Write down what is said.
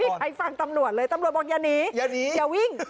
ไม่มีใครฟังตำรวจเลยตำรวจบอกอย่าหนีอย่าวิ่ง